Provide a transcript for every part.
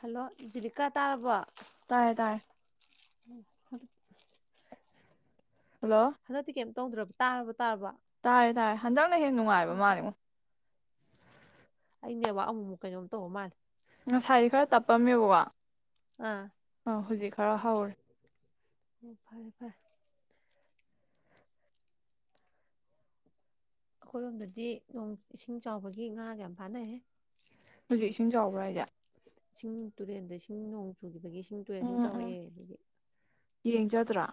hello ꯖꯤꯔꯤꯀꯥ ꯇꯥꯔꯕꯣ ꯇꯥꯔꯦ ꯇꯥꯔꯦ [unintelligible] ꯍꯜꯂꯣ ꯍꯟꯗꯛꯇꯤ ꯀꯦꯝ ꯇꯧꯗ꯭ꯔꯕ ꯇꯥꯔꯕꯣ ꯇꯥꯔꯦ ꯇꯥꯔꯦ ꯍꯟꯗꯛꯅ ꯍꯦꯟ ꯅꯨꯡꯉꯥꯏꯕ ꯑꯣ ꯃꯥꯜꯂꯤꯉꯣ ꯑꯩ ꯅꯦꯠꯋꯥꯛ ꯑꯃꯨꯃꯨꯛ ꯀꯩꯅꯣꯝ ꯇꯧꯕ ꯃꯥꯜꯂꯤ ꯉꯁꯥꯏ ꯈꯔ ꯇꯞꯄꯝꯃꯦꯕꯀꯣ ꯑꯥ ꯍꯧꯖꯤꯛ ꯈꯔ ꯍꯧꯔꯦ ꯑꯣ ꯐꯔꯦ ꯐꯔꯦ ꯑꯩꯈꯣꯏ ꯂꯣꯝꯗꯗꯤ ꯅꯣꯡ ꯏꯁꯤꯡ ꯆꯥꯎꯕꯒꯤ ꯉꯥꯒ ꯌꯥꯝ ꯐꯥꯅꯩꯦ ꯍꯧꯖꯤꯛ ꯏꯁꯤꯡ ꯆꯥꯎꯕ꯭ꯔꯥ ꯍꯥꯏꯁꯦ ꯁꯤꯡ ꯇꯨꯔꯦꯜꯗ ꯁꯤꯡ ꯅꯣꯡ ꯆꯨꯈꯤꯕꯒꯤ ꯇꯨꯔꯦꯜ ꯏꯁꯤꯡ ꯎꯝ ꯎꯝ ꯆꯥꯎꯔꯛꯑꯦ ꯑꯗꯨꯒ ꯌꯦꯡꯖꯗ꯭ꯔꯥ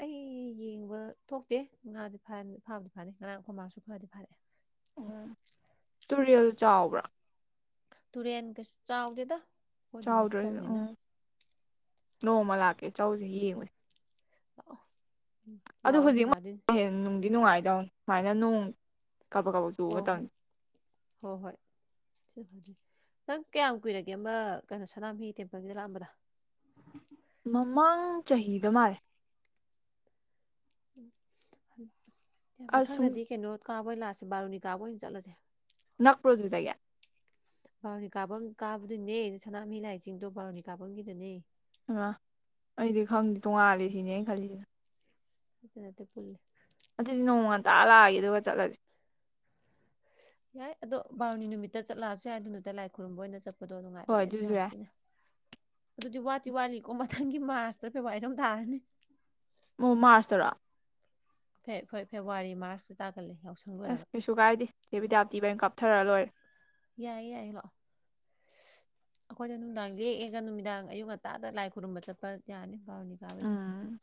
ꯑꯩ ꯌꯦꯡꯕ ꯊꯣꯛꯇꯦ ꯉꯥꯗꯤ ꯐꯥꯕꯨꯗꯤ ꯐꯥꯅꯤ ꯉꯔꯥꯡ ꯈꯨꯃꯥꯡꯁꯨ ꯈꯔꯗꯤ ꯐꯥꯔꯛꯑꯦ ꯎꯝ ꯇꯨꯔꯦꯜ ꯆꯥꯎꯕ꯭ꯔꯥ ꯇꯨꯔꯦꯟ ꯀꯩꯁꯨ ꯆꯥꯎꯗꯦꯗ ꯑꯩꯈꯣꯏꯗꯤ ꯆꯥꯎꯗ꯭ꯔꯁꯨ ꯃꯈꯣꯡꯅꯤꯅ ꯎꯝ ꯅꯣꯡꯃ ꯂꯥꯛꯀꯦ ꯆꯧꯁꯤ ꯌꯦꯡꯉꯨꯁꯤ ꯑ ꯑꯗꯨ ꯍꯧꯖꯤꯛꯃꯛ ꯍ ꯅꯨꯡꯗꯤ ꯅꯨꯡꯉꯥꯏꯇꯦ ꯁꯨꯃꯥꯏꯅ ꯅꯣꯡ ꯀꯥꯕꯛ ꯀꯥꯕꯛ ꯆꯨꯕ ꯍꯣ ꯍꯣꯏ ꯃꯇꯝꯅꯤ ꯍꯣ ꯍꯣꯏ ꯅꯪ ꯀꯌꯥꯝ ꯀꯨꯏꯔꯒꯦ ꯑꯃ ꯀꯩꯅꯣ ꯁꯅꯥꯃꯍꯤ ꯇꯦꯝꯄꯜꯒꯤꯗ ꯂꯥꯛꯑꯝꯕꯗꯣ ꯃꯃꯥꯡ ꯆꯍꯤꯗ ꯃꯥꯜꯂꯦ ꯎ ꯐ ꯑꯁ ꯁꯨꯝ ꯃꯊꯪꯗꯗꯤ ꯀꯩꯅꯣ ꯀꯥꯕꯣꯏ ꯂꯥꯛꯁꯦ ꯕꯥꯔꯨꯅꯤ ꯀꯥꯕꯣꯏ ꯑꯣꯏꯅ ꯆꯠꯂꯁꯦ ꯅꯛꯄ꯭ꯔꯣ ꯑꯗꯨꯗꯒꯤ ꯕꯥꯔꯣꯅꯤ ꯀꯥꯕ ꯀꯥꯕꯗꯨꯅꯦ ꯁꯅꯥꯃꯍꯤ ꯂꯥꯏ ꯆꯤꯡꯗꯣ ꯕꯥꯔꯣꯅꯤ ꯀꯥꯐꯝꯒꯤꯗꯅꯦ ꯑ ꯑꯩꯗꯤ ꯈꯪꯗꯦ ꯇꯣꯡꯉꯥꯂꯦ ꯁꯤꯅꯦ ꯈꯜꯂꯤꯁꯤꯅ ꯅꯠꯇꯦ ꯄꯨꯂꯦ ꯑꯗꯨꯗꯤ ꯅꯣꯡ ꯉ ꯇ ꯂꯥꯛꯑꯒꯦ ꯑꯗꯨꯒ ꯆꯠꯂꯁꯤ ꯌꯥꯏ ꯑꯗꯣ ꯕꯥꯔꯣꯅꯤ ꯅꯨꯃꯤꯠꯇ ꯆꯠꯂꯛꯑꯁꯨ ꯌꯥꯏ ꯑꯗꯨ ꯅꯠꯇꯥꯏ ꯂꯥꯏ ꯈꯨꯔꯨꯝꯕ ꯑꯣꯏꯅ ꯆꯠꯄ ꯗꯣ ꯍꯣꯏ ꯅꯨꯡꯉꯥꯏꯕꯅꯦ ꯑꯗꯨ ꯑꯗꯨꯁꯨ ꯌꯥꯝ ꯌꯥꯏ ꯊꯤꯅ ꯑꯗꯨꯗꯤ ꯋꯥꯠꯇꯤ ꯋꯥꯠꯂꯤꯀꯣ ꯃꯊꯪꯒꯤ ꯃꯥꯁꯇꯔ ꯐꯦꯕꯋꯥꯔꯤꯔꯣꯝ ꯇꯥꯔꯅꯤ ꯑꯣ ꯃꯥꯔꯁꯇꯔꯣ ꯐꯦꯕꯋꯥꯔꯤ ꯃꯥꯔꯁꯁꯤ ꯇ ꯑꯁ ꯀꯩꯁꯨ ꯀꯥꯏꯗꯦ ꯆꯦ ꯕꯤꯗꯤꯌꯥꯄꯥꯇꯤ ꯕꯥꯏꯅꯤ ꯀꯥꯞꯊꯔꯛ ꯂꯣꯏꯔꯦ ꯌꯥꯏꯌꯦ ꯌꯥꯏꯌꯦ ꯂꯥꯛꯑꯣ ꯑꯩꯈꯣꯏꯗ ꯅꯨꯡꯗꯥꯡ ꯂꯦꯛꯑꯒ ꯅꯨꯃꯤꯗꯥꯡ ꯑꯌꯨꯛ ꯉꯟꯇꯥꯗ ꯂꯥꯏ ꯈꯨꯔꯨꯝꯕ ꯆꯠꯄ ꯌꯥꯅꯤ ꯀꯥꯎꯕꯨ ꯀꯥꯎꯏ ꯎꯝ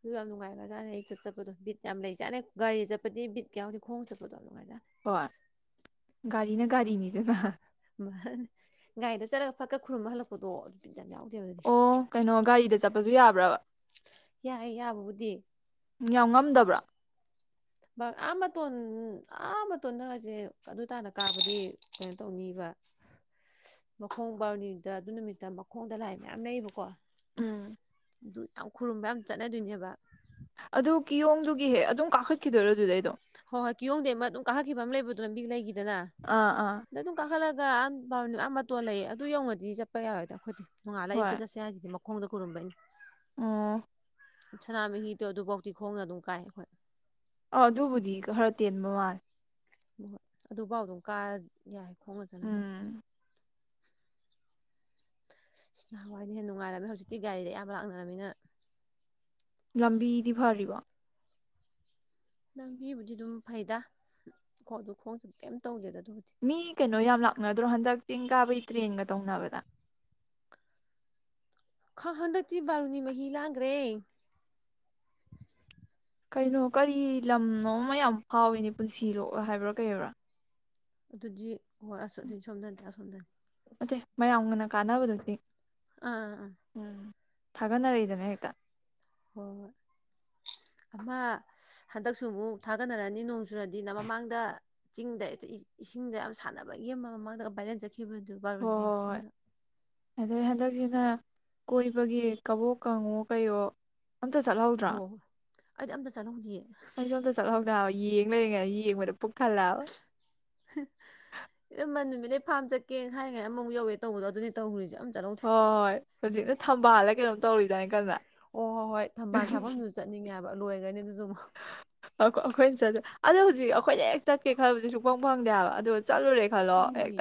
ꯑꯗꯨ ꯌꯥꯝ ꯅꯨꯡꯉꯥꯏꯔ꯭ꯔꯖꯥꯠꯅꯦ ꯑꯌꯨꯛꯇ ꯆꯠꯄꯗꯣ ꯕꯤꯠ ꯌꯥꯝ ꯂꯩꯖꯥꯅ ꯒꯥꯔꯤ ꯆꯠꯄꯗꯤ ꯕꯤꯠ ꯌꯥꯎꯗꯦ ꯈꯣꯡ ꯆꯠꯄꯗꯣ ꯌꯥꯝ ꯅꯨꯡꯉꯥꯏꯖꯥꯠꯅꯦ ꯍꯣꯏ ꯒꯥꯔꯤꯅ ꯒꯥꯔꯤꯅꯤꯗꯕ ꯒꯥꯥꯏꯗ ꯆꯠꯂꯒ ꯐꯠꯀ ꯈꯨꯔꯨꯝꯕ ꯍꯜꯂꯛꯄꯗꯣ ꯕꯤꯠ ꯌꯥꯝ ꯌꯥꯎꯗꯦ ꯑꯣ ꯀꯩꯅꯣ ꯒꯥꯔꯤꯗ ꯆꯠꯄꯁꯨ ꯌꯥꯕ꯭ꯔꯕ ꯌꯥꯏ ꯌꯥꯕꯕꯨꯗꯤ ꯌꯥꯝ ꯉꯝꯗꯕ꯭ꯔꯥ ꯑꯥ ꯃꯇꯣꯟ ꯑꯥ ꯃꯇꯣꯟꯗꯒꯁꯦ ꯑꯗꯨ ꯇꯥꯅ ꯀꯥꯕꯗꯤ ꯀꯩꯅꯣ ꯇꯧꯅꯤꯕ ꯃꯈꯣꯡ ꯕꯥꯔꯨꯅꯤꯗ ꯑꯗꯨ ꯅꯨꯃꯤꯠꯇ ꯃꯈꯣꯡꯗ ꯂꯥꯏ ꯃꯌꯥꯝ ꯂꯩꯕꯀꯣ ꯎꯝ ꯑꯗꯨ ꯌꯥꯝ ꯈꯨꯔꯨꯝꯕ ꯌꯥꯝ ꯆꯠꯅꯗꯣꯏꯅꯦꯕ ꯑꯗꯨ ꯀꯤꯌꯣꯡꯗꯨꯒꯤ ꯍꯦ ꯑꯗꯨꯝ ꯀꯥꯈꯠꯈꯤꯗꯣꯏꯔꯣ ꯑꯗꯨꯗꯩ ꯍꯣꯏ ꯍꯣꯏ ꯀꯤꯌꯣꯡꯗꯩ ꯑꯃ ꯑꯗꯨꯝ ꯀꯥꯈꯠꯈꯤꯕ ꯑꯃ ꯂꯩꯕꯗꯣ ꯂꯝꯕꯤ ꯂꯩꯒꯤ ꯗꯅ ꯑꯥ ꯑꯥ ꯑꯗ ꯑꯗꯨꯝ ꯀꯥꯈꯠꯂ ꯑ ꯃꯇꯣꯟ ꯂꯩꯌꯦ ꯑꯗꯨ ꯌꯧꯅꯗꯤ ꯆꯠꯄ ꯌꯥꯔꯣꯏꯗ ꯑꯩꯈꯣꯏꯗꯤ ꯃꯉꯥꯜꯂ ꯑꯌꯨꯛꯇ ꯆꯠꯁꯤ ꯍꯥꯏꯗꯤ ꯃ ꯈꯣꯡꯗ ꯈꯨꯔꯨꯝꯕꯩꯅꯤ ꯎꯝ ꯁꯅꯥꯃꯍꯤꯗꯣ ꯑꯗꯨꯐꯥꯎꯗꯤ ꯈꯣꯡꯅ ꯑꯗꯨꯝ ꯀꯥꯏ ꯑꯩꯈꯣꯏ ꯑ ꯑꯗꯨꯕꯨꯗꯤ ꯈꯔ ꯇꯦꯟꯕ ꯃꯥꯂꯦ ꯍꯣꯏ ꯑꯗꯨꯐꯥꯎ ꯑꯗꯨꯝ ꯀꯥ ꯌꯥꯏ [unintelligible] ꯎꯝ ꯅꯍꯥꯟꯋꯥꯏꯅ ꯍꯦꯟꯅ ꯅꯨꯡꯉꯥꯏꯔꯝꯃꯦ ꯍꯧꯖꯤꯛꯇꯤ ꯒꯥꯔꯤꯗ ꯑꯌꯥꯝ ꯂꯥꯛꯅꯔꯝꯅꯤꯅ ꯂꯝꯕꯤꯗꯤ ꯐꯔꯤꯕꯣ ꯂꯝꯕꯤꯕꯨꯗꯤ ꯑꯗꯨꯝ ꯐꯩꯗ ꯈ ꯑꯗꯨ ꯈꯣꯡꯁꯨ ꯀꯩꯝ ꯇꯧꯗꯦꯗ ꯑꯗꯨꯕꯨꯗꯤ ꯃꯤ ꯀꯩꯅꯣ ꯌꯥꯝ ꯂꯥꯛꯅꯗ꯭ꯔꯣ ꯍꯟꯗꯛ ꯆꯤꯡ ꯀꯥꯕꯩ ꯇ꯭ꯔꯦꯟꯒ ꯇꯧꯅꯕꯗ ꯈꯥ ꯍꯟꯗꯛꯇꯤ ꯕꯥꯔꯨꯅꯤ ꯃꯍꯤ ꯂꯥꯡꯒ꯭ꯔꯦ ꯀꯩꯅꯣ ꯀꯔꯤ ꯂꯝꯅꯣ ꯑꯃ ꯌꯥꯝ ꯐꯥꯎꯋꯤꯅꯦ ꯄꯨꯟꯁꯤꯂꯣꯛ ꯍꯥꯏꯕ꯭ꯔꯥ ꯀꯔꯤꯕ꯭ꯔꯥ ꯑꯗꯨꯗꯤ ꯍꯣꯏ ꯑꯁ ꯎ ꯑꯗꯨꯗꯤ ꯁꯣꯝꯗꯅꯠꯇꯦ ꯑꯁꯣꯝꯗꯅꯤ ꯑꯗꯦ ꯃꯌꯥꯝꯒꯅ ꯀꯥꯟꯅꯕꯗꯨꯗꯤ ꯑꯥ ꯑꯥ ꯑꯥ ꯎꯝ ꯊꯥꯒꯠꯅꯔꯛꯏꯗꯅꯦ ꯍꯦꯛꯇ ꯍꯣꯏ ꯍꯣꯏ ꯑꯃ ꯍꯟꯗꯛꯁꯨ ꯑꯃꯨꯛ ꯊꯥꯒꯠꯅꯔꯅꯤ ꯅꯣꯡ ꯆꯨꯔꯅꯤꯅ ꯃꯃꯥꯡꯗ ꯆꯤꯡꯗ ꯏꯁꯤꯡꯗ ꯌꯥꯝ ꯁꯥꯟꯅꯕꯒꯤ ꯑꯃ ꯃꯃꯥꯡꯗ ꯚꯥꯏꯔꯦꯟ ꯆꯠ ꯈꯤꯕꯗꯨ ꯍꯣꯏ ꯕꯥꯔꯨꯅꯤꯒꯤ ꯃꯐꯝꯗ ꯅ ꯀꯣꯏꯕꯒꯤ ꯀꯕꯣꯛ ꯀꯪꯉꯣ ꯀꯩꯌꯣ ꯑꯝꯇ ꯆꯠꯍꯧꯗ꯭ꯔꯣ ꯍꯣꯏ ꯍꯣꯏ ꯑꯩꯗꯤ ꯑꯝꯇ ꯆꯠꯍꯧꯗꯤꯌꯦ ꯑꯩꯁꯨ ꯑꯝꯇ ꯆꯠꯍꯧꯗꯦ ꯍꯥꯏꯕ ꯌꯦꯡ ꯂꯩꯔꯤꯉꯩ ꯌꯦꯡꯕꯗ ꯄꯨꯛ ꯊꯜꯂꯦ ꯍꯥꯏꯕ ꯂꯦ ꯐꯥꯝ ꯆꯠꯀꯦ ꯈꯜꯂꯤꯉꯩ ꯑꯃꯃꯨꯛ ꯌꯧꯋꯦ ꯇꯧꯕꯗꯣ ꯑꯗꯨꯅꯦ ꯇꯧꯔꯤꯁꯦ ꯆꯠꯍꯧꯗꯦ ꯍꯣꯏ ꯍꯣꯏ ꯍꯧꯖꯤꯛꯅ ꯊꯝꯕꯥꯜꯗ ꯀꯩꯅꯣꯝ ꯇꯧꯔꯤꯗꯥꯏ ꯀꯟꯅ ꯂꯣꯏꯒꯔꯅꯤ ꯑꯗꯨꯖꯨ ꯑꯩꯈꯣꯏꯅ ꯆꯗ ꯑꯗꯣ ꯍꯧꯖꯤꯛ ꯑꯩꯈꯣꯏꯅ ꯍꯦꯛ ꯆꯠꯀꯦ ꯈꯟꯕꯖꯤ ꯁꯨꯐꯪ ꯐꯪꯗꯦ ꯍꯥꯏꯕ ꯑꯗꯨ ꯐꯪꯗꯦ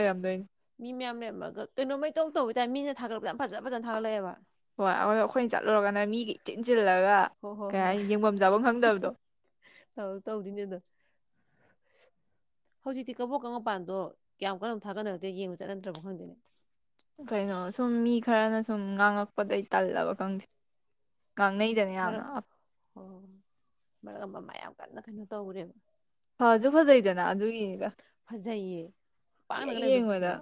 ꯂꯩꯔꯝꯗꯣꯏꯅꯤ ꯃꯤ ꯃꯌꯥꯝ ꯂꯩꯔꯝꯃꯒ ꯀꯩꯅꯣꯃ ꯏꯇꯧ ꯇꯧꯕꯩ ꯇꯥꯏꯝ ꯃꯤꯅ ꯊꯥꯒꯠꯂꯛꯄꯗ ꯌꯥꯝ ꯐꯖ ꯐꯖꯅ ꯊꯥꯒꯠꯂꯛ ꯑꯦꯕ ꯍꯣꯏ ꯑꯩꯈꯣꯏꯅ ꯆꯠꯂꯨꯔꯒꯅ ꯃꯤꯒꯤ ꯏꯆꯤꯟ ꯆꯤꯜꯂꯒ ꯍꯣꯏ ꯍꯣꯏ ꯀꯩ ꯍꯣꯏ ꯍꯥꯏꯅꯤ ꯌꯦꯡꯐꯝ ꯆꯥꯐꯝ ꯈꯪꯗꯕꯗꯣ ꯇꯧ ꯇꯧꯗꯣꯏꯅꯦ ꯑꯗꯣ ꯍꯧꯖꯤꯛꯇꯤ ꯀꯕꯣꯀꯪ ꯃꯄꯥꯟꯗꯣ ꯀꯌꯥꯝ ꯀꯟꯅꯕꯨ ꯊꯥꯒꯠꯅꯔꯛꯇꯦ ꯌꯦꯡꯕ ꯆꯠꯅꯗ꯭ꯔꯕ ꯈꯪꯗꯦꯅꯦ ꯀꯩꯅꯣ ꯁꯨꯝ ꯃꯤ ꯈꯔꯅ ꯁꯨꯝ ꯉꯥꯡꯉꯛꯄꯗꯩ ꯇꯜꯂꯕ ꯈꯪꯗꯦ ꯉꯥꯡꯅꯩꯗꯅ ꯃꯔꯛ ꯌꯥꯝꯅ ꯍꯣꯏ ꯍꯣꯏ ꯃꯔꯛ ꯑꯃ ꯃꯌꯥꯝ ꯀꯟꯅ ꯀꯩꯅꯣ ꯇꯧꯒꯔ꯭ꯦꯕ ꯐꯁꯨ ꯐꯖꯩꯗꯅ ꯑꯗꯨꯒꯤꯅꯤꯗ ꯐꯖꯩꯌꯦ ꯍꯦꯛ ꯄꯥꯛꯅꯒ ꯂꯩꯕꯗꯣ ꯌꯦꯡꯕꯗ ꯐꯖꯩꯌꯦ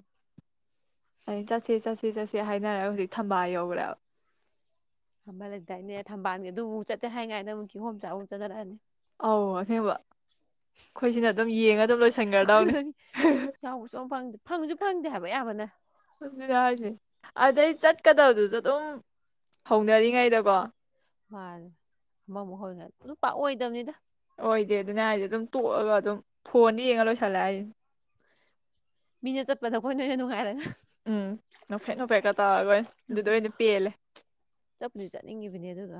ꯑꯩ ꯆꯠꯁꯦ ꯆꯠꯁꯦ ꯁꯤ ꯆꯠꯁꯦ ꯍꯥꯏꯅ ꯍꯧꯖꯤꯛ ꯊꯝꯕꯥꯜ ꯌꯧꯒꯔ꯭ꯦꯕ ꯊꯝꯕꯜ ꯂꯩꯇꯥꯏꯅꯦ ꯊꯝꯕꯥꯜꯒꯤ ꯑꯗꯨ ꯑꯃꯨꯛ ꯆꯠꯁꯦ ꯍꯥꯏꯉꯥꯏꯅ ꯑꯃꯨꯛ ꯀꯤꯍꯣꯝ ꯆꯥꯕ ꯑꯃꯨꯛ ꯆꯠꯅꯔꯛꯑꯅꯤ ꯑꯧ ꯑꯁꯦꯡꯕ ꯑꯩꯈꯣꯏꯁꯤꯅ ꯑꯗꯨꯝ ꯌꯦꯡꯉ ꯑꯗꯨꯝ ꯑꯩꯈꯣꯏꯅ ꯂꯣꯏꯁꯤꯟꯒ꯭ꯔꯗꯩꯅꯦ ꯌꯥꯎꯕ ꯁꯨꯡꯐꯪ ꯐꯪꯗꯦ ꯐꯪꯁꯨ [unintelligible] [unintelligible] ꯗꯨꯅꯦ ꯍꯥꯏꯖꯦ ꯑꯗꯩ ꯆꯠꯀꯗꯕꯗꯨꯁꯨ ꯑꯗꯨꯝ ꯍꯧꯅꯔꯤꯉꯩꯗꯀꯣ ꯃꯥꯅꯦ ꯑꯃꯃꯨꯛ ꯍꯧꯔꯤꯉꯩꯗ ꯄꯨꯂꯞ ꯄꯥꯛ ꯑꯣꯏꯗꯕꯅꯤꯗ ꯑꯣꯏꯗꯦ ꯑꯗꯨꯅꯦ ꯍꯥꯏꯖꯦ ꯑꯗꯨꯝ ꯇꯣꯛꯑꯒ ꯑꯗꯨꯝ ꯐꯣꯟꯗ ꯌꯦꯡꯉ ꯂꯣꯏꯁꯤꯜꯂꯦ ꯍꯥꯏꯖꯦ ꯃꯤꯅ ꯆꯠꯄꯗ ꯑꯩꯈꯣꯏꯅ ꯑꯣꯏꯅ ꯅꯨꯡꯉꯥꯏꯔꯒ ꯎꯝ ꯅꯣꯛꯐꯦꯠ ꯅꯣꯐꯦꯠꯀ ꯇꯧꯔꯒ ꯑꯣꯏꯅ ꯗꯨꯗ ꯑꯣꯏꯅ ꯄꯦꯜꯂꯦ ꯆꯠꯄꯨꯗꯤ ꯆꯠꯅꯤꯡꯉꯤꯕꯅꯦ ꯑꯗꯨꯗꯣ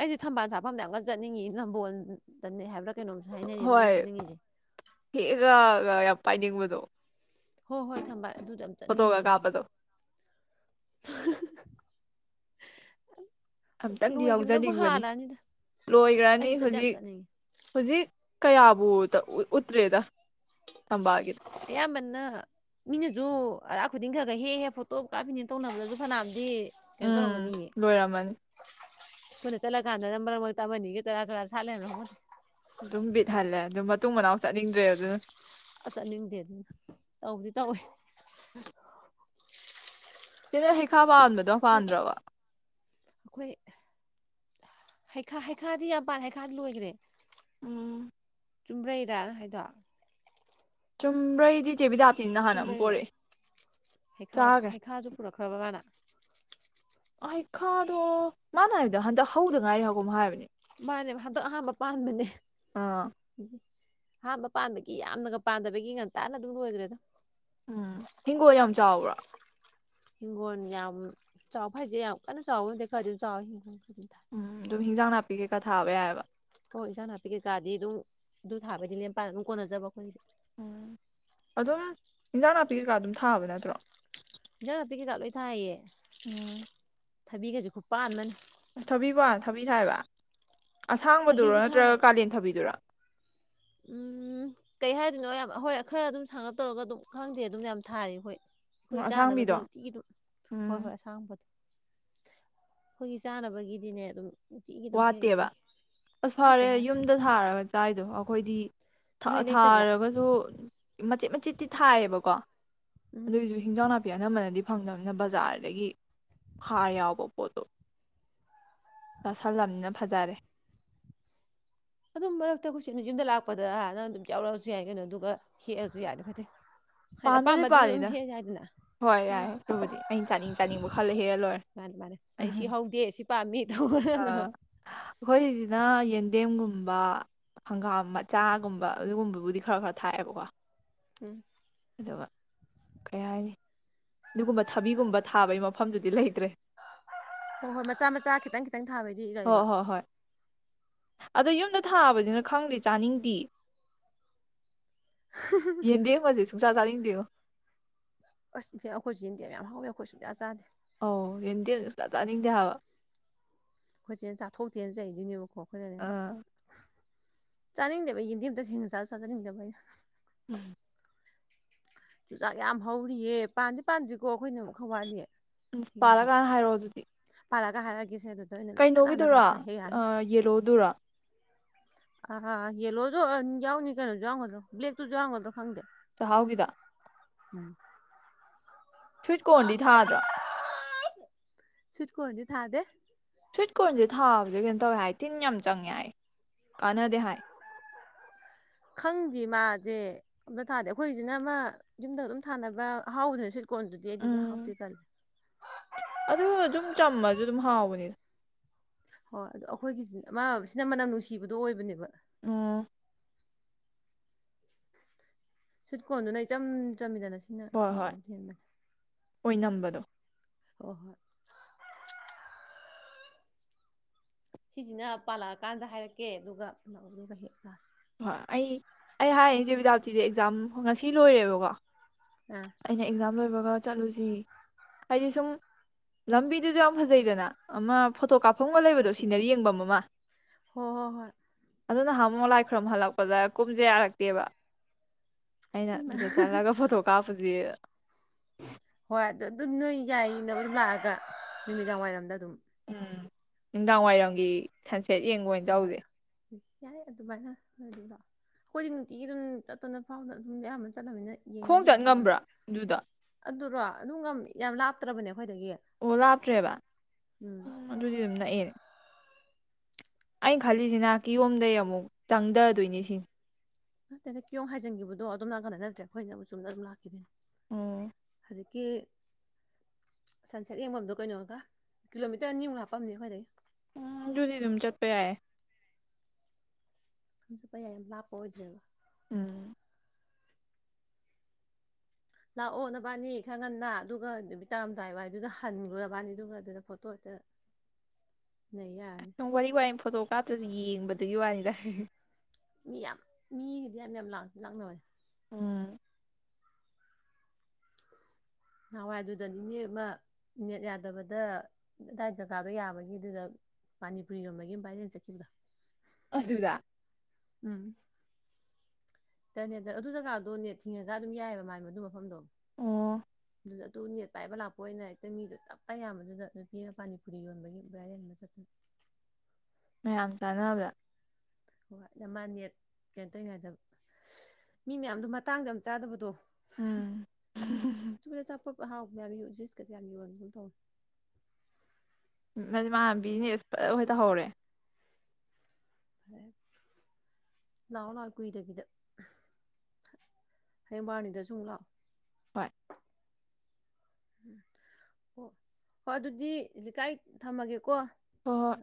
ꯑꯩꯁꯦ ꯊꯝꯕꯥꯜ ꯁꯥꯠꯐꯝꯗ ꯌꯥꯝꯀꯟ ꯆꯠꯅꯤꯡꯉꯤꯌꯦ ꯅꯝꯕꯣꯟꯗꯅꯦ ꯍꯥꯏꯕꯔ꯭ ꯀꯩꯅꯣꯝꯁꯨ ꯍꯥꯏꯅꯔꯤ ꯑꯗꯨ ꯑꯩꯅ ꯍꯣꯏ ꯆꯠꯅꯤꯡꯉꯤꯁꯦ ꯌꯥ ꯌꯥꯝ ꯄꯥꯥꯏꯅꯤꯡꯕꯗꯣ ꯍꯣ ꯍꯣꯏ ꯊꯝꯕꯥꯟ ꯑꯗꯨꯗꯗꯣ ꯌꯥꯝ ꯆꯠꯅꯤꯡꯉꯤꯌꯦ ꯍꯧꯖꯤꯛ [inaudible] ꯀꯥꯞꯄꯗꯣ ꯑꯝꯇꯪꯗꯤ ꯂꯣꯏꯈꯤꯕꯅꯕꯨ ꯌꯥꯎꯖꯅꯤꯡꯕꯅꯦ ꯍꯥꯜꯂꯛꯑꯅꯤꯗ ꯂꯣꯏꯒꯔ꯭ꯅꯤ ꯑꯩꯁꯨ ꯆꯠꯇ ꯌꯥꯝ ꯍꯧꯖꯤꯛ ꯆꯠꯅꯤꯡꯉꯤ ꯍꯧꯖꯤꯛ ꯀꯌꯥ ꯎꯠꯇ꯭ꯔꯦꯗ ꯊꯝꯕꯥꯜꯒꯤ ꯑꯌꯥꯝꯕꯅ ꯃꯤꯅꯖꯨ ꯑꯔꯥꯛ ꯈꯨꯗꯤꯡ ꯈꯔ ꯈꯔ ꯍꯦꯛꯑ ꯐꯣꯇꯣ ꯀꯥꯞꯄꯤꯅꯦ ꯇꯧꯅꯕꯗꯁꯨ ꯐꯅꯥꯝꯗꯤ ꯀꯩꯅꯣ ꯎꯝ ꯇꯧꯔꯝꯒꯅꯤꯌꯦ ꯂꯣꯏꯔꯝꯃꯅꯤ ꯑꯈꯣꯏꯅ ꯆꯠꯂꯀꯥꯟꯗꯅ ꯃꯔꯛ ꯃꯔꯛꯇ ꯑꯃ ꯑꯅꯤꯒ ꯆꯔꯥ ꯆꯔꯥ ꯁꯥꯠ ꯂꯩꯔꯝꯕꯔꯥ ꯈꯪꯄꯣꯠꯇꯦ ꯑꯗꯨꯝ ꯕꯤꯠ ꯍꯜꯂꯦ ꯑꯗꯨꯃꯠ ꯃꯇꯨꯡ ꯃꯅꯥꯎ ꯆꯠꯅꯤꯡꯗ꯭ꯔꯦ ꯑꯗꯨꯅ ꯆꯠꯅꯤꯡꯗꯦ ꯑꯗꯨꯅ ꯇꯧꯕꯗꯤ ꯇꯧꯋꯦ ꯎꯝ [inaudible] ꯆꯦ ꯅꯪ ꯍꯩꯈꯥ ꯄꯥꯟꯕꯗꯣ ꯅꯣꯏ ꯄꯥꯟꯗꯔ꯭ꯕꯣ ꯑꯩꯈꯣꯏ ꯍꯩꯈꯥ ꯍꯩꯈꯥꯗꯤ ꯌꯥꯝꯄꯥꯟ ꯍꯩꯈꯥꯗꯤ ꯂꯣꯏꯒꯔ꯭ꯦ ꯎꯝ ꯆꯨꯝꯕ꯭ꯔꯩꯔꯥ ꯅꯪ ꯍꯥꯏꯗꯣ ꯆꯨꯝꯕ꯭ꯔꯩꯗꯤ ꯆꯦꯕꯤꯗ ꯆꯨꯝꯕ꯭ꯔꯩꯔꯣ ꯍꯩꯈ ꯆꯥꯈ꯭ꯔꯦ ꯍꯩꯈꯥꯁꯨ ꯄꯨꯔꯛꯈ꯭ꯔꯕ ꯃꯥꯅ ꯑꯍꯩꯈꯥꯗꯣ ꯃꯥꯅ ꯍꯥꯏꯕꯗ ꯍꯟꯗꯛ ꯍꯧꯗ ꯉꯥꯏꯔꯤ ꯍꯥꯏꯒꯨꯝ ꯍꯥꯏꯕꯅꯦ ꯃꯥꯅꯦꯕ ꯍꯟꯗꯛ ꯑꯍꯥꯟꯕ ꯄꯥꯟꯕꯅꯦ ꯑꯥ ꯑꯍꯥꯟꯕ ꯄꯥꯟꯕꯒꯤ ꯌꯥꯝꯅꯒ ꯄꯥꯟꯗꯕꯒꯤ ꯉꯟꯇꯥꯅ ꯑꯗꯨꯝ ꯂꯣꯏꯒꯔ꯭ꯦꯗ ꯎꯝ ꯍꯤꯡꯒꯣꯜ ꯌꯥꯝ ꯆꯥꯎꯕ꯭ꯔꯥ ꯍꯤꯡꯒꯣꯟ ꯌꯥꯝ ꯆꯥꯎꯕ ꯍꯥꯏꯁꯦ ꯌꯥꯝ ꯀꯟꯅ ꯆꯥꯎꯕ ꯅꯠꯇꯦ ꯈꯔꯗꯤ ꯑꯗꯨꯝ ꯆꯥꯎꯋꯦ ꯑꯗꯨꯝ ꯊꯥꯏ ꯎꯝ ꯍꯤꯡꯖꯥꯡ ꯅꯥ ꯄꯤ ꯀꯩꯀꯥ ꯊꯥꯕ ꯌꯥꯏꯌꯦꯕ ꯑꯣ ꯏꯟꯁꯥꯡ ꯅꯥꯄꯤ ꯀꯩ ꯀꯥꯗꯤ ꯑꯗꯨꯝ ꯑꯗꯨ ꯊꯥꯕꯩꯗꯤ ꯂꯦꯝꯄꯥꯅ ꯑꯗꯨꯝ ꯀꯣꯟꯅꯖꯕ ꯑꯈꯣꯏꯒꯤꯗꯤ ꯎꯝ ꯑꯗꯨꯝ ꯏꯟꯖꯥꯡ ꯅꯥꯄꯤ ꯀꯩꯀꯥ ꯑꯗꯨꯝ ꯊꯥꯕ ꯅꯠꯇ꯭ꯔꯣ ꯏꯟꯖꯥꯡ ꯅꯥꯄꯤ ꯀꯩꯀꯥ ꯂꯣꯏ ꯊꯥꯏꯌꯦ ꯎꯝ ꯊꯕꯤꯒꯁꯦ ꯈꯨꯄꯥꯟꯃꯅꯤ ꯑꯁ ꯊꯥꯕꯤ [unintelligible] ꯊꯥꯕꯤ ꯊꯥꯏꯌꯦꯕ ꯑꯁꯥꯡꯕꯗꯨꯔꯣ ꯊꯕꯤꯁꯨ ꯊꯥꯏ ꯅꯠꯇ꯭ꯔꯒ ꯀꯥꯂꯦꯟ ꯊꯕꯤꯗꯨꯔꯥ ꯎꯝ ꯀꯩ ꯍꯥꯏꯗꯣꯏꯅꯣ ꯍꯣꯏ ꯈꯔ ꯑꯗꯨꯝ ꯁꯥꯡꯂꯞ ꯇꯧꯔꯒ ꯑꯗꯨꯝ ꯈꯪꯗꯦ ꯑꯗꯨꯝ ꯌꯥꯝ ꯊꯥꯔꯤ ꯍꯣꯏ ꯑꯈꯣꯏ ꯆꯥꯅꯕꯗꯤ ꯑꯁꯥꯡꯕꯤꯗꯣ ꯅꯨꯡꯇꯤꯒꯤꯗꯨ ꯍꯣꯏ ꯎꯝ ꯍꯣꯏ ꯑꯁꯥꯡꯕꯗꯣ ꯑꯈꯣꯏꯒꯤ ꯆꯥꯅꯕꯒꯤꯗꯤꯅꯦ ꯑꯗꯨꯝ ꯅꯨꯡꯇꯤꯒꯤ ꯑꯗꯨꯝ ꯍꯦꯛꯏ ꯋꯥꯠꯇꯦꯕ ꯑꯁ ꯋꯥꯠꯇꯦ ꯐꯔꯦ ꯋꯥꯠꯇꯦ ꯌꯨꯝꯗ ꯊꯥꯔꯒ ꯆꯥꯏꯗꯣ ꯑꯈꯣꯏꯗꯤ ꯊꯥ ꯅꯣꯏ ꯂꯩꯇꯕ꯭ꯔꯥ ꯊꯥꯔꯒꯁꯨ ꯃꯆꯦꯠ ꯃꯆꯦꯠꯇꯤ ꯊꯥꯏꯌꯦꯕꯀꯣ ꯎꯝ ꯑꯗꯨꯏꯁꯨ ꯍꯤꯟꯖꯥꯡ ꯅꯥꯄꯤ ꯑꯅꯝꯕꯅꯗꯤ ꯐꯪꯗꯝꯅꯤꯅ ꯕꯖꯥꯔꯗꯒꯤ ꯍꯥꯔ ꯌꯥꯎꯕ ꯄꯣꯠꯇꯣ [unintelligible] ꯂꯝꯅꯤꯅ ꯐꯖꯔꯦ ꯑꯗꯨꯝ ꯃꯔꯛꯇ [unintelligible] ꯌꯨꯝꯗ ꯂꯥꯛꯄꯗ ꯅꯪ ꯑꯗꯨꯝ ꯌꯥꯎꯔꯛꯑꯁꯨ ꯌꯥꯏ ꯀꯩꯅꯣ ꯑꯗꯨꯒ ꯍꯦꯛꯑꯁꯨ ꯌꯥꯏ [unintelligible] ꯄꯥꯟꯕꯗꯤ ꯄꯥꯜꯂꯤꯗ ꯍꯣꯏ ꯑꯣ ꯌꯥꯏꯌꯦ ꯑꯗꯨꯕꯨꯗꯤ ꯑꯩꯅ ꯆꯥꯅꯤꯡ ꯆꯥꯅꯤꯡꯕ ꯈꯜꯂ ꯍꯦꯛꯑ ꯂꯣꯏꯔꯦ ꯃꯥꯅꯦ ꯃꯥꯅꯦ ꯑꯩ ꯁꯤ ꯎꯝ ꯍꯧꯗꯦ ꯁꯤ ꯄꯥꯝꯃꯤ ꯇꯧꯕꯅ ꯑꯥ ꯑꯈꯣꯏꯒꯤꯁꯤꯅ ꯌꯦꯟꯗꯦꯝꯒꯨꯝ ꯕ ꯍꯪꯒꯥꯝ ꯃꯆꯥꯒꯨꯝꯕ ꯑꯗꯨꯒꯨꯝꯕꯕꯨꯗꯤ ꯈꯔ ꯈꯔ ꯊꯥꯏꯌꯦꯕꯀꯣ ꯎꯝ ꯑꯗꯨꯒ ꯀꯩ ꯍꯥꯏꯅꯤ ꯑꯗꯨꯒꯨꯝꯕ ꯊꯕꯤꯒꯨꯝꯕ ꯊꯥꯕꯒꯤ ꯃꯐꯝꯗꯨꯗꯤ ꯂꯩꯇ꯭ꯔꯦ ꯍꯣꯏ ꯍꯣꯏ ꯃꯆꯥ ꯃꯆꯥ ꯈꯤꯇꯪ ꯈꯤꯇꯪ ꯊꯥꯕꯩꯗꯤ ꯍꯣꯏ ꯂꯩꯕ ꯍꯣꯏ ꯍꯣꯏ ꯑꯗꯣ ꯌꯨꯝꯗ ꯊꯥꯕꯅꯤꯅ ꯈꯪꯗꯦ ꯆꯥꯅꯤꯡꯗꯦ ꯌꯦꯟꯗꯦꯝꯒꯥꯖꯦ ꯁꯨꯡꯆꯥ ꯆꯥꯅꯤꯡ [unintelligible] ꯑꯁ ꯑꯈꯣꯏꯁꯨ ꯌꯦꯟꯗꯦꯝ ꯌꯥꯝ ꯍꯧꯋꯦ ꯑꯈꯣꯏ ꯁꯨꯡꯆꯥ ꯆꯥꯗꯦ ꯑꯣ ꯌꯦꯟꯗꯦꯝ ꯁꯨꯡꯆꯥ ꯆꯥꯅꯤꯡꯗꯦ ꯍꯥꯏꯕ ꯑꯈꯣꯏꯆꯦꯅ ꯆꯥꯊꯣꯛꯇꯦꯅ ꯆꯩꯗꯣꯏꯅꯦꯕꯀꯣ ꯑꯥ ꯆꯥꯅꯤꯡꯗꯦꯕ [unintelligible] ꯇꯁꯦꯡꯅ ꯆꯥꯁꯨ ꯆꯥꯖꯅꯤꯡꯗꯕ ꯎꯝ ꯆꯨꯖꯥꯛ ꯌꯥꯝ ꯍꯧꯔꯤꯌꯦ ꯄꯥꯟꯗꯤ ꯄꯥꯟꯗ꯭ꯔꯤꯀꯣ ꯑꯩꯈꯣꯏꯅ ꯑꯃꯨꯛ ꯈ ꯋꯥꯠꯂꯤ ꯎꯝ ꯊꯦꯡꯕꯅꯦ ꯄꯥꯜꯂꯀꯥꯟꯗ ꯍꯥꯏꯔꯛꯑꯣ ꯑꯗꯨꯗꯤ ꯄꯥꯜꯂꯒ ꯍꯔꯀꯦꯁꯦ ꯑꯗꯨ ꯀꯩꯅꯣꯒꯤꯗꯨꯔꯣ ꯑ ꯌꯦꯂꯣꯗꯨꯔꯣ ꯑ ꯌꯦꯂꯣꯗꯣ ꯌꯥꯎꯅꯤ ꯀꯩꯅꯣ ꯌꯥꯝꯒꯗ꯭ꯔꯣ ꯕ꯭ꯂꯦꯛꯇꯨꯁꯨ ꯌꯥꯝꯒꯗ꯭ꯔ ꯈꯪꯗꯦ ꯆꯍꯥꯎꯒꯤꯗꯣ ꯎꯝ ꯁ꯭ꯋꯤꯠ ꯀꯣꯔꯟꯗꯤ ꯊꯥꯗ꯭ꯔꯣ ꯁ꯭ꯋꯤꯠ ꯀꯣꯔꯟꯗꯤ ꯊꯥꯗꯦ ꯁ꯭ꯋꯤꯠ ꯀꯣꯔꯟꯁꯦ ꯊꯥꯕꯁꯦ ꯀꯩꯅꯣ ꯇꯧꯋꯦ ꯍꯥꯏ ꯇꯤꯟ ꯌꯥꯝ ꯆꯪꯉꯦ ꯍꯥꯏ ꯀꯥꯟꯅꯗꯦ ꯍꯥꯏ ꯈꯪꯗꯦ ꯃꯥꯁꯦ ꯑꯝꯇ ꯊꯥꯗꯦ ꯑꯩꯈꯣꯏꯒꯤꯁꯤꯅ ꯑꯃ ꯌꯨꯝꯗ ꯑꯗꯨꯝ ꯊꯥꯅꯕ ꯑꯍꯥꯎꯗꯅꯦ ꯀꯣꯔꯟꯗꯨꯗꯤ ꯑꯩꯗꯤ ꯍꯥꯎꯇꯦ ꯎꯝ ꯇꯜꯂꯤ ꯑꯗꯨ ꯑꯗꯨꯝ ꯆꯝꯃꯁꯨ ꯑꯗꯨꯝ ꯍꯥꯎꯕꯅꯤꯗ ꯍꯣꯏ ꯑꯗꯣ ꯑꯩꯈꯣꯏꯒꯤꯁꯤ ꯑꯃ ꯁꯤꯅ ꯃꯅꯝ ꯅꯨꯡꯁꯤꯕꯗꯣ ꯑꯣꯏꯕꯅꯦꯕ ꯑꯣ ꯁ꯭ꯋꯤꯠ ꯀꯣꯔꯟꯗꯨꯅ ꯏꯆꯝ ꯆꯝꯃꯤꯗꯅ ꯁꯤꯡꯅ ꯍꯣꯏ ꯍꯣꯏ ꯍꯥꯎꯕ ꯍꯦꯟꯕꯅꯦ ꯑꯣꯏꯅꯝꯕꯗꯣ ꯍꯣꯏ ꯍꯣꯏ ꯁꯤꯁꯤꯅ ꯄꯥꯜꯂꯛꯑ ꯀꯥꯟꯗ ꯍꯥꯏꯔꯛꯀꯦ ꯑꯗꯨꯒ ꯍꯦꯛꯑ ꯆꯥꯖꯤ ꯍꯣꯏ ꯑꯩ ꯑꯩ ꯍꯥꯏꯔꯤꯁꯦ ꯏꯆꯦ ꯕꯤꯗꯌꯥꯄꯇꯤꯖꯦ ꯑꯦꯛꯖꯥꯝ ꯉꯁꯤ ꯂꯣꯏꯔꯦꯕꯀꯣ ꯑꯥ ꯑꯩꯅ ꯑꯦꯛꯖꯥꯝ ꯂꯣꯏꯕꯒ ꯆꯠꯂꯨꯁꯤ ꯍꯥꯏꯗꯤ ꯁꯨꯝ ꯂꯝꯕꯤꯗꯨꯁꯨ ꯌꯥꯝ ꯐꯖꯩꯗꯅ ꯑꯃ ꯐꯣꯇꯣ ꯀꯥꯞ ꯐꯝꯒ ꯂꯩꯕꯗꯣ ꯍꯪꯆꯤꯠꯀꯤ ꯁꯤꯅꯔꯤ ꯌꯦꯡꯕꯝ ꯑꯃꯃ ꯍꯣꯏ ꯍꯣꯏ ꯍꯣꯏ ꯑꯗꯨ ꯅꯍꯥꯟꯃꯨꯛ ꯂꯥꯏ ꯈꯨꯔꯨꯝ ꯍꯜꯂꯛꯄꯗ ꯀꯨꯝꯁꯦ ꯌꯥꯔꯛꯇꯦꯕ ꯑꯩꯅ ꯏꯃꯥ ꯑꯗꯨꯗ ꯆꯠꯂꯒ ꯐꯣꯇꯣ ꯐꯖꯩꯌꯦ ꯍꯣꯏ ꯑꯗꯨ ꯑꯗꯨ ꯅꯣꯏ ꯌꯥꯏꯅ ꯑꯗꯨꯝ ꯂꯥꯛꯑꯒ ꯅꯨꯃꯤꯗꯥꯡꯋꯥꯏꯔꯝꯗ ꯑꯗꯨꯝ ꯎꯝ ꯅꯨꯡꯗꯥꯡ ꯋꯥꯏꯔꯝꯒꯤ ꯁꯟ ꯁꯦꯠ ꯌꯦꯡꯕ ꯑꯣꯏꯅ ꯍꯣꯏ ꯍꯣꯏ ꯆꯠꯂꯨꯁꯦ ꯌꯥꯏ ꯑꯗꯨꯃꯥꯏꯅ ꯅꯣꯏ ꯑꯗꯨꯝ ꯂꯥꯛꯑꯣ ꯑꯩꯈꯣꯏꯗꯤ ꯅꯨꯡꯇꯤꯒꯤ ꯑꯗꯨꯝ ꯇꯞꯇꯞꯅ ꯐꯥꯝꯗ ꯑꯗꯨꯝ ꯑꯌꯥꯝꯕꯅ ꯆꯠ [unintelligible] ꯈꯣꯡ ꯌꯦꯡꯅꯤꯡꯗꯦꯅ ꯆꯠ ꯅꯉꯣꯟꯗꯗꯤ ꯉꯝꯕ꯭ꯔꯥ ꯑꯗꯨꯗꯣ ꯑꯗꯨ ꯑꯗꯨꯔꯣ ꯑꯗꯨ ꯉꯝꯃꯦ ꯌꯥꯝ ꯂꯥꯞꯇ꯭ꯔꯕꯅꯦ ꯑꯩꯈꯣꯏꯗꯒꯤ ꯑꯣ ꯂꯥꯞꯇ꯭ꯔꯦꯕ ꯎꯝ ꯑꯗꯨꯗꯤ ꯑꯗꯨꯝ ꯅꯛꯑꯦꯅꯦ ꯑꯩꯅ ꯈꯜꯂꯤꯁꯤꯅ ꯀꯤꯌꯣꯡꯗꯩ ꯑꯃꯨꯛ ꯆꯪꯗꯗꯣꯏꯅꯦ ꯁꯤꯅꯤ ꯅꯠꯇꯦꯗ ꯀꯤꯌꯣꯝ ꯍꯥꯏꯖꯟꯈꯤꯕꯗꯣ ꯑꯗꯣꯝ ꯅꯥꯀꯟꯗ ꯅꯠꯇ꯭ꯔꯦ ꯑꯩꯈꯣꯏꯅꯃꯨꯛ ꯆꯨꯝꯅ ꯑꯗꯨꯝ ꯂꯥꯛꯈꯤꯗꯧꯅꯦ ꯑꯣꯑꯣ ꯍꯧꯖꯤꯛꯀꯤ ꯁꯟꯁꯦꯠ ꯌꯦꯡꯐꯝꯗꯣ ꯀꯩꯅꯣꯒ ꯀꯤꯂꯣꯃꯤꯇꯔ ꯑꯅꯤ ꯃꯨꯛ ꯂꯥꯛꯄꯅꯤ ꯑꯩꯈꯣꯏꯗꯒꯤ ꯎꯝ ꯑꯗꯨꯗꯤ ꯑꯗꯨꯝ ꯆꯠꯄ ꯌꯥꯏꯌꯦ ꯑꯗꯨꯝ ꯆꯠꯄ ꯌꯥꯏ ꯂꯥꯞꯄ ꯑꯣꯏꯗ꯭ꯔꯦꯕ ꯎꯝ ꯂꯥꯛꯑꯣ ꯅꯕꯥꯅꯤ ꯈꯔ ꯉꯟꯅ ꯑꯗꯨꯒ ꯅꯨꯃꯤꯠ ꯇꯥꯔꯝꯗꯥꯏ ꯋꯥꯏꯗꯨꯗ ꯍꯟꯒ꯭ꯔꯣ ꯅꯕꯥꯅꯤ ꯑꯗꯨꯗ ꯐꯣꯇꯣ ꯍꯦꯛꯇ ꯅꯩ ꯌꯥꯔꯅꯤ [unintelligible] ꯋꯥ ꯐꯣꯇꯣ ꯀꯥꯞꯇ꯭ꯔꯁꯨ ꯌꯦꯡꯕꯗ ꯑꯗꯨꯒꯤ ꯋꯥꯅꯤꯗ ꯃꯤ ꯌꯥꯝ ꯃꯤꯒꯤꯗꯤ ꯌꯥꯝ ꯌꯥꯝ ꯂꯥꯛꯅꯕꯅꯦ ꯎꯝ ꯅꯍꯥꯟꯋꯥꯏꯗꯨꯗ ꯅꯅꯤꯅꯦ ꯑꯃ ꯅꯦꯠ ꯌꯥꯗꯕꯗ ꯗꯥꯏ ꯖꯥꯒꯗꯣ ꯌꯥꯕꯒꯤ ꯑꯗꯨꯗ ꯄꯥꯅꯤꯄꯨꯔꯤ ꯌꯣꯟꯕꯒꯤ ꯕꯥꯏꯔꯦꯜ ꯆꯠꯈꯤꯕꯗꯣ ꯑꯗꯨꯗꯥ ꯎꯝ [unintelligible] ꯑꯗꯨ ꯖꯒꯥꯗꯣ ꯅꯦꯠ ꯊꯤꯡꯉꯥꯒ ꯑꯗꯨꯝ ꯌꯥꯏꯌꯦꯕ ꯑꯗꯨ ꯃꯐꯝꯗꯣ ꯑꯣꯑꯣ ꯑꯗꯨ ꯅꯦꯠ ꯄꯥꯏꯕ ꯂꯥꯛꯄ ꯑꯣꯏꯅ ꯍꯦꯛꯇ ꯃꯤꯗꯨ ꯇꯞꯄ ꯌꯥꯝꯕꯗꯨꯗ ꯅꯨꯄꯤ ꯑꯃ ꯄꯥꯅꯤ ꯄꯨꯨꯔꯤ ꯌꯣꯟꯕꯒꯤ ꯚꯥꯏꯔꯦꯟ ꯑꯝ ꯆꯠꯄꯅꯤ ꯃꯌꯥꯝ ꯆꯥꯅꯕꯗ ꯅꯦꯠ ꯀꯩꯅꯣ ꯇꯧꯔꯤꯉꯩꯗ ꯃꯤ ꯃꯌꯥꯝꯗꯣ ꯃꯇꯥꯡꯗꯣ ꯌꯥꯝ ꯆꯥꯗꯕꯗꯣ ꯎꯝ [unintelligible] ꯑꯇꯣꯞꯄ ꯍꯥꯎꯕ ꯌꯥꯝ ꯌꯣꯟꯕ ꯖꯨꯁꯀꯁꯨ ꯌꯥꯝ ꯌꯣꯟꯒꯨꯝ ꯇꯧ ꯃꯥꯅ ꯕꯤꯖꯤꯅꯦꯁ ꯐꯖꯟꯅ ꯇꯧꯍꯧꯔꯦ ꯂꯥꯛꯑꯣ ꯂꯥꯛꯑꯣ ꯀꯨꯏꯗꯕꯤꯗ ꯍꯌꯦꯡ ꯕꯥꯔꯨꯅꯤꯗ ꯁꯨ ꯑꯃꯨꯛ ꯂꯥꯛꯑꯣ ꯍꯣꯏ ꯍꯣꯏ ꯎꯝ ꯑꯣ ꯍꯣꯏ ꯑꯗꯨꯗꯤ ꯂꯤꯀꯥ ꯑꯩ ꯊꯝꯃꯒꯦꯀꯣ ꯑꯣ